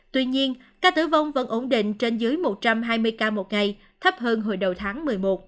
tuy nhiên ca tử vong vẫn ổn định trên dưới một trăm hai mươi ca một ngày thấp hơn hồi đầu tháng một mươi một